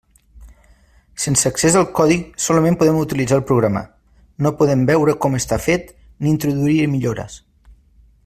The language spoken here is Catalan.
Sense accés al codi solament podem utilitzar el programa; no podem veure com està fet ni introduir-hi millores.